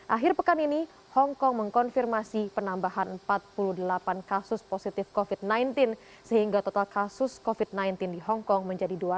akhir pekan ini hongkong mengkonfirmasi penambahan empat puluh delapan kasus positif covid sembilan belas sehingga total kasus covid sembilan belas di hongkong menjadi dua ratus